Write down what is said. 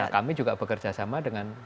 kami juga bekerja sama dengan